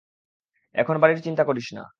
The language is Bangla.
এখন বাড়ির চিন্তা করিস না।